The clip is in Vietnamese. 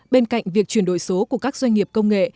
bên cạnh việc chuyển đổi số của các doanh nghiệp công nghệ